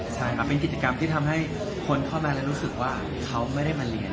ใช่ครับเป็นกิจกรรมที่ทำให้คนเข้ามาแล้วรู้สึกว่าเขาไม่ได้มาเรียน